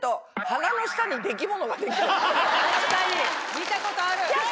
見たことある！